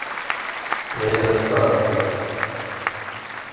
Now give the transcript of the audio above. Ay axeṣṣaṛ-iw!